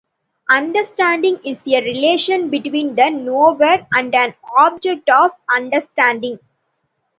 Understanding is a relation between the knower and an object of understanding.